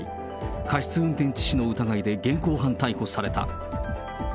過失運転致死の疑いで現行犯逮捕された。